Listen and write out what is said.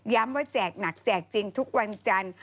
ว่าแจกหนักแจกจริงทุกวันจันทร์